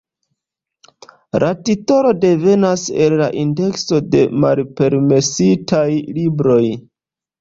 La titolo devenas el la indekso de malpermesitaj libroj.